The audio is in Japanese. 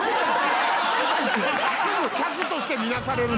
すぐ客として見なされる！